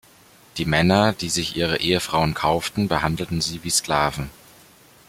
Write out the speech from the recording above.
Die Männer, die sich ihre Ehefrauen kaufen, behandeln sie wie Sklaven.